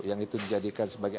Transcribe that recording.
yang itu dijadikan sebagai